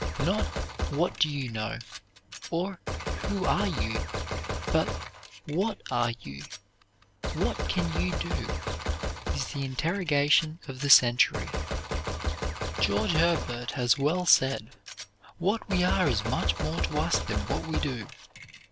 Not what do you know, or who are you, but what are you, what can you do, is the interrogation of the century. George Herbert has well said: "What we are is much more to us than what we do."